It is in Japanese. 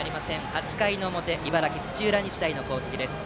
８回の表、茨城・土浦日大の攻撃。